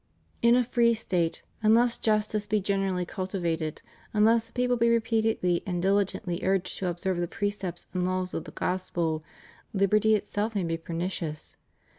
In a free State, unless justice be generally cultivated, unless the people be repeatedly and dili gently urged to observe the precepts and laws of the Gospel, liberty itseK may be pernicious.